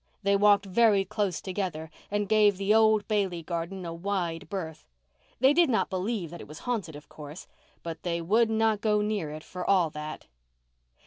They walked very close together and gave the old Bailey garden a wide berth. They did not believe that it was haunted, of course, but they would not go near it for all that.